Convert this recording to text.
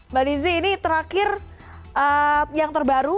mbak lizzie ini terakhir yang terbaru